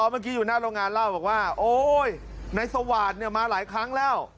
เมื่อกี้อยู่หน้าโรงงานเล่าบอกว่าโอ๊ยนายสวาสตร์เนี่ยมาหลายครั้งแล้ว